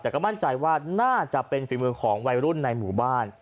แต่ก็มั่นใจว่าน่าจะเป็นฝีมือของวัยรุ่นในหมู่บ้าน